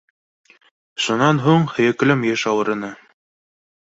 Шунан һуң һөйөклөм йыш ауырыны.